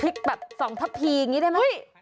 พริกแบบ๒ท่าพีหรือยังไง